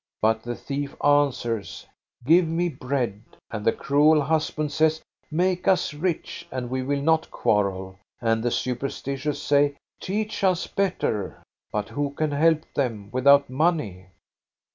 But the thief answers : Give me bread; and the cruel husband says: Make us rich, and we will not quarrel ; and the superstitious say : Teach us better. But who can help them without money?"